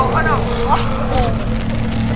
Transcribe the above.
พว่าหน่อย